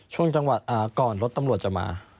ช่วงจังหวะก่อนรถตำรวจจะมา